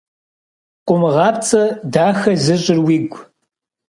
Къумыгъапцӏэ дахэ зыщӏыр уигу.